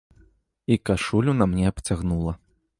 І кашулю на мне абцягнула.